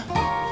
nggak ada orang